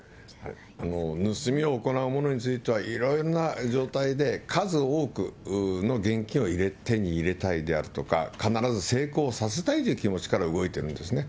盗みを行う者については、いろんな状態で、数多くの現金を手に入れたいであるとか、必ず成功させたいという気持ちから動いてるんですね。